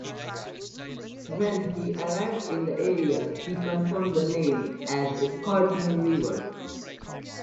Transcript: When he arrived in the area, he confirmed the name as the Courtenay River.